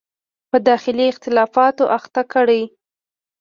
په داخلي اختلافاتو اخته کړي.